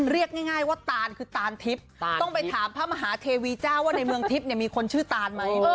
เรียกง่ายว่าตานคือตานทิพย์ต้องไปถามพระมหาเทวีเจ้าว่าในเมืองทิพย์มีคนชื่อตานไหม